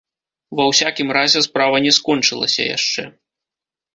Ва ўсякім разе справа не скончылася яшчэ.